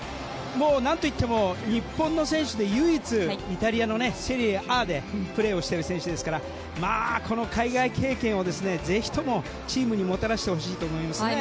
なんといっても日本の選手で唯一イタリアのセリエＡでプレーしている選手ですからこの海外経験をぜひともチームにもたらしてほしいと思いますね。